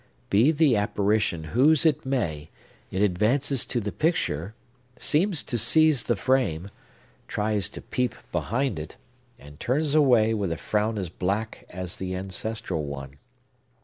Be the apparition whose it may, it advances to the picture, seems to seize the frame, tries to peep behind it, and turns away, with a frown as black as the ancestral one.